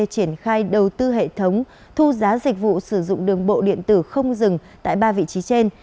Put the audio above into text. triển khai đầu tư hệ thống thu giá dịch vụ sử dụng đường bộ điện tử không dừng tại ba vị trí trên